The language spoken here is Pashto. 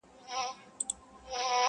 مړاوي مړاوي سور ګلاب وي زما په لاس کي,